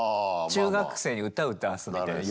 中学生に歌歌わすみたいな余興。